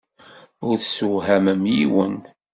Ur tessewhamem yiwen.